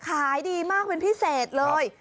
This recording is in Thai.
ขายดีมากเป็นพิเศษเลย